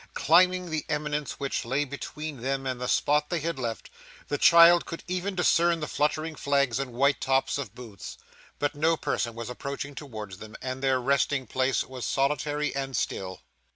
Climbing the eminence which lay between them and the spot they had left, the child could even discern the fluttering flags and white tops of booths; but no person was approaching towards them, and their resting place was solitary and still.